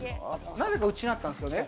なぜか、うちにあったんですけどね。